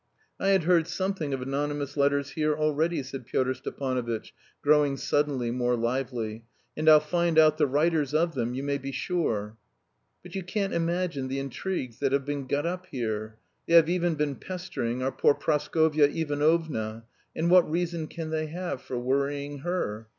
"I had heard something of anonymous letters here already," said Pyotr Stepanovitch, growing suddenly more lively, "and I'll find out the writers of them, you may be sure." "But you can't imagine the intrigues that have been got up here. They have even been pestering our poor Praskovya Ivanovna, and what reason can they have for worrying her?